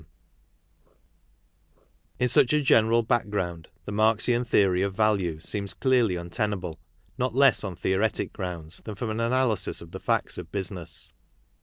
343 ff 30 KARL MARX In such a general background, the Marxian theory of value seems clearly untenable not less on theoretic grounds than from an analysis of the facts of business.